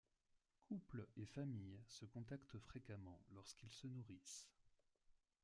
Couples et familles se contactent fréquemment lorsqu’ils se nourrissent.